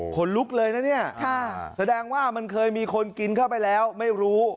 คนลุกเลยนะเนี่ยแสดงว่ามันเคยมีคนกินเข้าไปแล้วไม่รู้